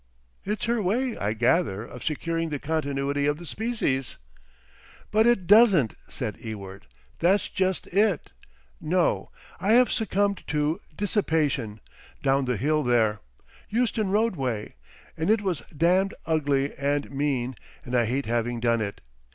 "It's her way, I gather, of securing the continuity of the species." "But it doesn't," said Ewart. "That's just it! No. I have succumbed to—dissipation—down the hill there. Euston Road way. And it was damned ugly and mean, and I hate having done it.